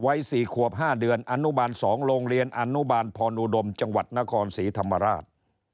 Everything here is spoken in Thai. วัย๔ขวบ๕เดือนอนุบาล๒โรงเรียนอนุบาลพรอุดมจังหวัดนครศรีธรรมราช